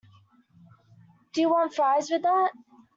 Do you want fries with that?